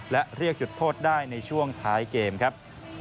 และเรียกจุดโทษได้ในช่วงท้ายเกมครับ